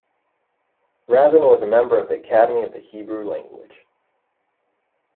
Rabin was a member of the Academy of the Hebrew Language.